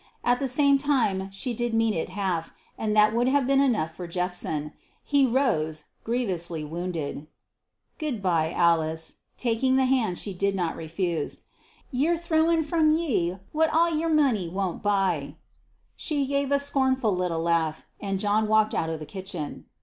At the same time she did mean it half, and that would have been enough for Jephson. He rose, grievously wounded. "Good bye, Alice," he said, taking the hand she did not refuse. "Ye're throwin' from ye what all yer money won't buy." She gave a scornful little laugh, and John walked out of the kitchen.